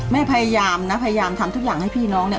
พยายามนะพยายามทำทุกอย่างให้พี่น้องเนี่ย